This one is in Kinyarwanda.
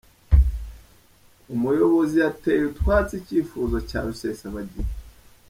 Umuyobozi yateye utwatsi icyifuzo cya Rusesabagina